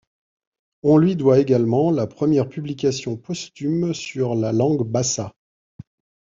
On lui doit également la première publication – posthume – sur la langue bassa.